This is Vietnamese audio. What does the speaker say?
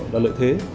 là lợi thế